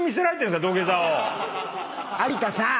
有田さん。